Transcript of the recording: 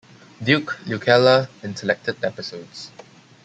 Duke Lukela in selected episodes.